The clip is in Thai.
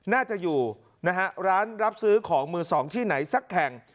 น่าจะอยู่นะฮะร้านรับซื้อของมือสองที่ไหนสักแห่ง